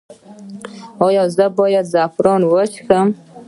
ایا زه باید د زعفران چای وڅښم؟